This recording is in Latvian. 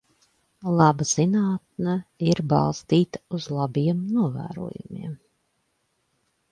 Laba zinātne ir balstīta uz labiem novērojumiem.